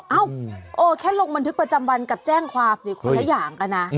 เอ้าโอ้แค่ลงบันทึกประจำวันกับแจ้งความสิคนละอย่างกันนะ